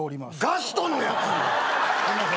ガストのやつ！